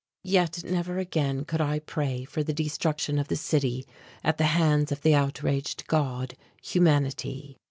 Yet never again could I pray for the destruction of the city at the hands of the outraged god Humanity.